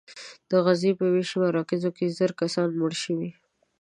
د غزې په ویش مراکزو کې زر کسان مړه شوي.